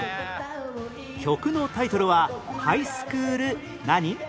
曲のタイトルはハイスクール何？